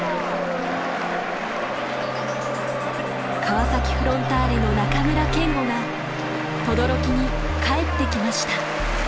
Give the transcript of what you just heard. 川崎フロンターレの中村憲剛が等々力に帰ってきました。